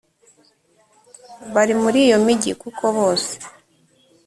bari muri iyo migi kuko bose